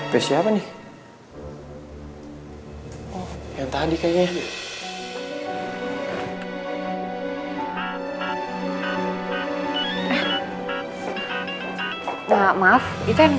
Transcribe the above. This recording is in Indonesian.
pakerja ini yang kamuquentinin